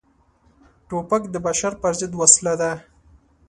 توپک د بشر پر ضد وسله ده.